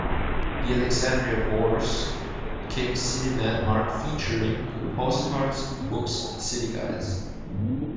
The Alexandria Bourse became a city landmark featuring in postcards, books and city guides.